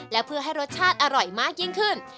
และเพื่อให้รสชาติอร่อยมากยิ่งขึ้น